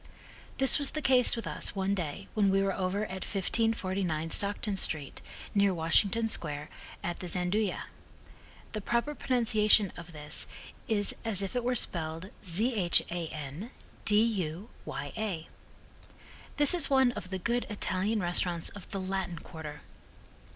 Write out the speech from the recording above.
This was the case with us, one day when we were over at 1549 Stockton street, near Washington Square, at the Gianduja. The proper pronunciation of this is as if it were spelled Zhan du ya. This is one of the good Italian restaurants of the Latin quarter.